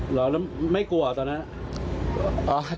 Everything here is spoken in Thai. เหรอแล้วไม่กลัวตอนนั้น